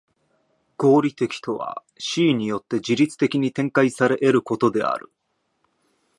合理的とは思惟によって自律的に展開され得ることである。